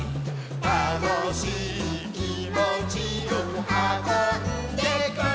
「たのしいきもちをはこんでくるよ」